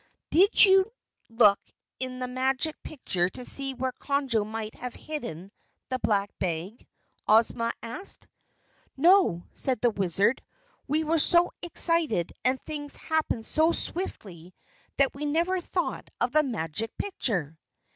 "Did you look in the Magic Picture to see where Conjo might have hidden the Black Bag?" Ozma asked. "No," said the Wizard, "we were so excited and things happened so swiftly that we never thought of the Magic Picture."